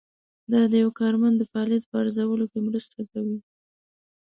دا د یو کارمند د فعالیت په ارزولو کې مرسته کوي.